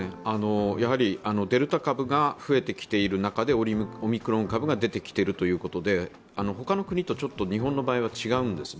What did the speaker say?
デルタ株が増えてきている中でオミクロン株が出てきているということで、他の国と日本の場合は違うんですね。